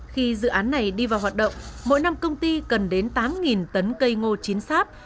khi dự án này đi vào hoạt động mỗi năm công ty cần đến tám tấn cây ngô chín sáp